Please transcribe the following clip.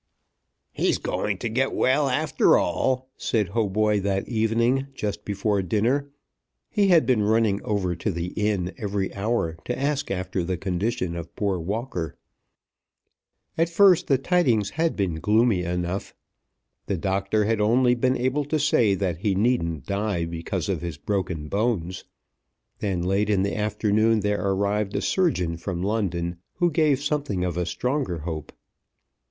"He's going to get well after all," said Hautboy that evening, just before dinner. He had been running over to the inn every hour to ask after the condition of poor Walker. At first the tidings had been gloomy enough. The doctor had only been able to say that he needn't die because of his broken bones. Then late in the afternoon there arrived a surgeon from London who gave something of a stronger hope.